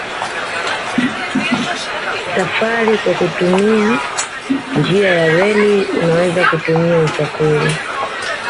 Safari kwa kutumia njia ya reli unaweza kutumia usafiri